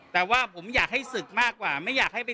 แต่ว่าผมอยากให้ศึกมากกว่าไม่อยากให้ไป